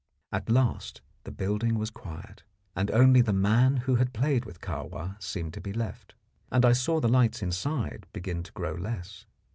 At last the building was quiet, and only the man who had played with Kahwa seemed to be left, and I saw the lights inside begin to grow less.